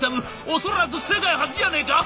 恐らく世界初じゃねえか？」。